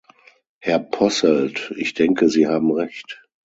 Herr Posselt, ich denke, Sie haben Recht.